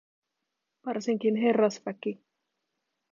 Varsinkin herrasväki.